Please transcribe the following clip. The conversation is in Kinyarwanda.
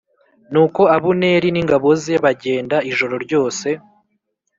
Nuko Abuneri n ingabo ze bagenda ijoro ryose